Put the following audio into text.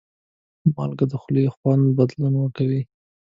مالګه د خولې خوند بدلون ورکوي.